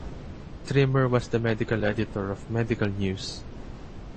Trimmer was the medical editor of "Medical News".